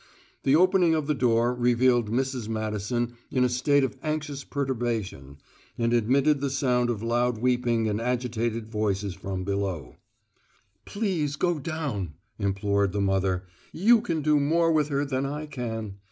The opening of the door revealed Mrs. Madison in a state of anxious perturbation, and admitted the sound of loud weeping and agitated voices from below. "Please go down," implored the mother. "You can do more with her than I can.